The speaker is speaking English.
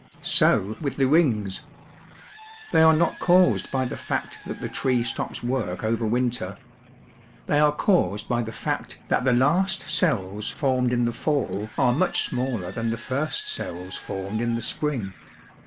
So with the rings. They are not caused by the fact that 178 STEMS the tree stops work over winter. They are caused by the fact that the last cells formed in the fall are much smaller than the first cells formed in the spring.